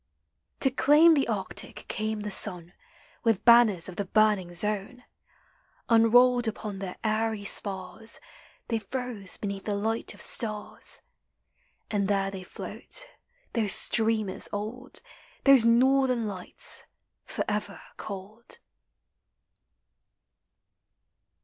To claim the Arctic came the sun With banners of the burning zone. Unrolled upon their airy spars, They froze beneath the light of stars; And there they float, those streamers old, Those Northern Lights, forever cold